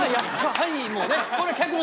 はいもうねこれ」。